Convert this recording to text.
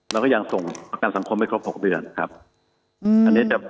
แล้วก็ยังส่งประกันสังคมให้ครบหกเดือนครับอืมอันนี้จะ